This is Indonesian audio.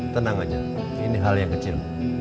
tenang aja ini hal yang kecil